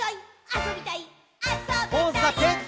「あそびたいっ！」